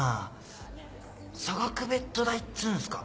差額ベッド代っつうんすか？